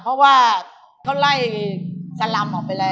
เพราะว่าเขาไล่สลำออกไปแล้ว